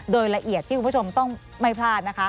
โดยละเอียดที่คุณผู้ชมต้องไม่พลาดนะคะ